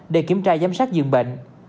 để kiểm tra giám sát dường bệnh